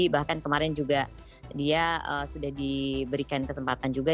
bahkan kemarin juga dia sudah diberikan kesempatan juga